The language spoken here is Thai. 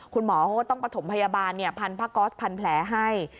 คุณหมอก็ต้องประถมพยาบาลพันธุ์พระกอสพันธุ์แผลให้